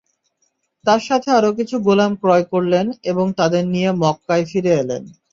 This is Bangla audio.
তার সাথে আরো কিছু গোলাম ক্রয় করলেন এবং তাদের নিয়ে মক্কায় ফিরে এলেন।